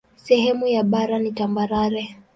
Sehemu ya bara ni tambarare.